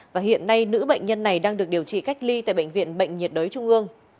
và hiện nay nữ bệnh nhân này đang được điều trị cách ly tại bệnh viện bệnh nhiệt đới trung ương